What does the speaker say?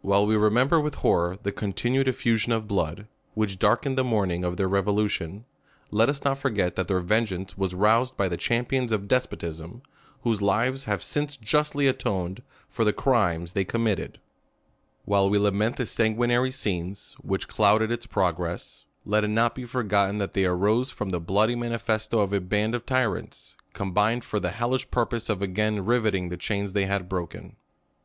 While we remember with horror the continued effu sion of blood, which darkened the morning of their revolution, let us not forget that their vengeance was roused by the champions of despotism, whose lives have since justly atoned for the crimes tliey committed^ While we lament the sanguinary scenes, which clouded its progress, let it not be forgotten that they aros<? from the bloody manifesto of a band of tyrants, combined for the hellish purpose of again rivetting the chains they had broken.